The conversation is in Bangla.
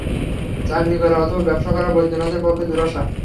চাকরি করা অথবা ব্যাবসা করা বৈদ্যনাথের পক্ষে দুরাশা।